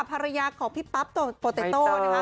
ภรรยาของพี่ปั๊บโปเตโต้นะคะ